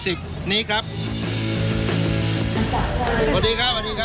สวัสดีครับสวัสดีครับสวัสดีครับ